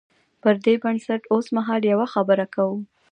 پر دې بنسټ اوسمهال یوه خبره کوو.